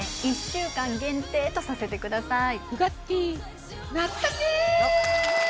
１週間限定とさせてください